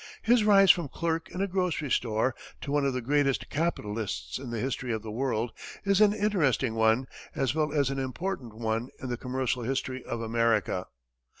His rise from clerk in a grocery store to one of the greatest capitalists in the history of the world is an interesting one, as well as an important one in the commercial history of America.